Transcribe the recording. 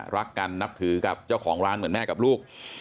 รักกันนับถือกับเจ้าของร้านเหมือนแม่กับลูก